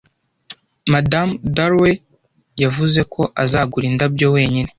Madamu Dalloway yavuze ko azagura indabyo wenyine.